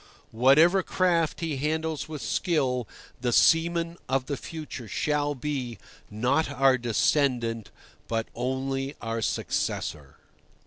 Whatever craft he handles with skill, the seaman of the future shall be, not our descendant, but only our successor.